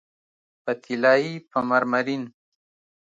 په طلایې، په مرمرین